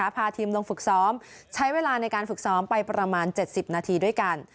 พาทีมลงฝึกซ้อมใช้เวลาในการฝึกซ้อมไปประมาณ๗๐นาทีด้วยกัน